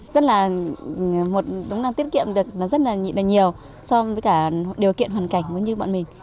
rất là một đúng là tiết kiệm được rất là nhiều so với cả điều kiện hoàn cảnh như bọn mình